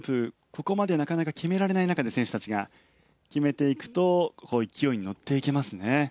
ここまで、なかなか決められない中で選手たちが決めていくと勢いに乗っていけますね。